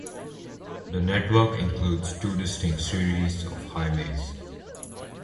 The network includes two distinct series of highways.